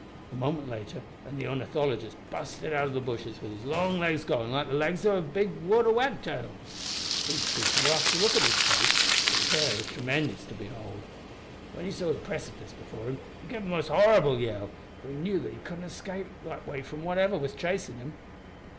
A moment later an' the ornithologist busted out o' the bushes with his long legs goin' like the legs of a big water wagtail. He was too fur off to see the look of his face, but his hair was tremendous to behold. When he saw the precipice before him he gave a most horrible yell, for he knew that he couldn't escape that way from whatever was chasin' him.